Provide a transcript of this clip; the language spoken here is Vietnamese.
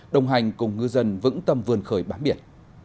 đồng hành cùng ngư dân vững tâm vươn khởi bám biển